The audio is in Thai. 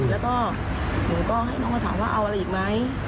แล้วก็หนูก็ให้น้องมาถามว่าเอาอะไรอีกไหม